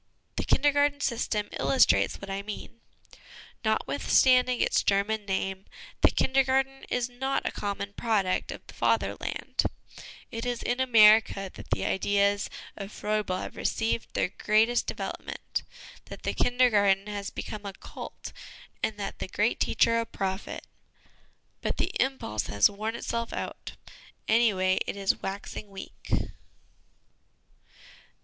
The Kinder garten system illustrates what I mean ; notwith standing its German name, the Kindergarten is not a common product in the Fatherland ; it is in America that the ideas of Froebel have received their greatest development, that the Kindergarten has become a cult, and the great teacher a prophet. But the impulse has worn itself out ; any way, it is waxing weak.